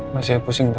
masih aku singgah